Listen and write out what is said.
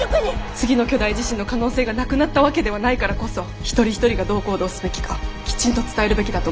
次の巨大地震の可能性がなくなったわけではないからこそ一人一人がどう行動すべきかきちんと伝えるべきだと思います。